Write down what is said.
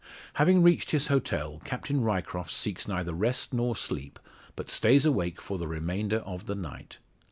Having reached his hotel, Captain Ryecroft seeks neither rest nor sleep, but stays awake for the remainder of the night.